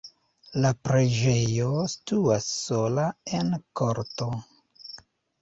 La preĝejo situas sola en korto.